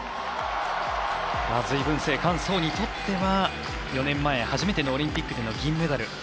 隋文静、韓聡にとっては４年前初めてのオリンピックでの銀メダル。